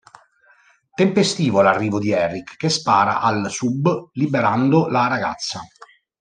Tempestivo l'arrivo di Eric che spara al sub liberando la ragazza.